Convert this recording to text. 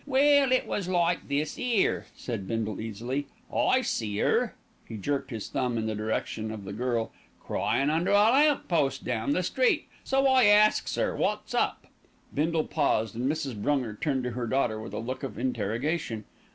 "Well, it was like this 'ere," said Bindle easily. "I see 'er," he jerked his thumb in the direction of the girl, "cryin' under a lamp post down the street, so I asks 'er wot's up." Bindle paused, and Mrs. Brunger turned to her daughter with a look of interrogation.